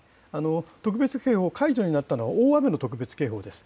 特別警報解除になったのは、大雨の特別警報です。